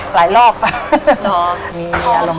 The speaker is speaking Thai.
หลายรอบหรอล่ะ